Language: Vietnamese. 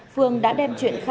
phương đã đem chuyện khách hàng